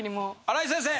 荒井先生